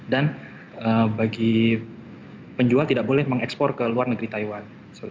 dan bagi penjual tidak boleh mengekspor ke luar negeri taiwan